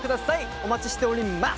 お待ちしております！